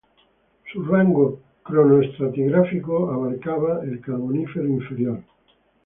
Su rango cronoestratigráfico abarcaba el Carbonífero inferior.